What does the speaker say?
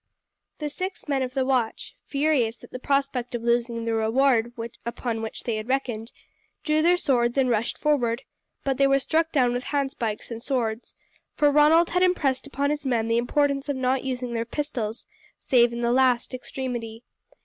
The six men of the watch, furious at the prospect of losing the reward upon which they had reckoned, drew their swords and rushed forward; but they were struck down with handspikes and swords, for Ronald had impressed upon his men the importance of not using their pistols, save in the last extremity.